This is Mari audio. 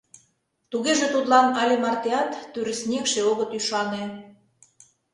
Тугеже, тудлан але мартеат тӱрыснекше огыт ӱшане...